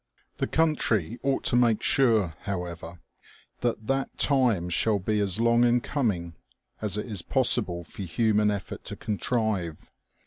The country ought to make sure, however, that that time shall be as long in coming as it is possible for human effort to contrive.